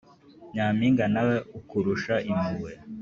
nyampinga ntawe ukurusha impuhwe